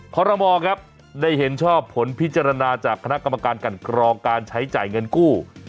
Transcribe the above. ขอรมอครับได้เห็นชอบผลพิจารณาจากคณะกรรมการกันกรองการใช้จ่ายเงินกู้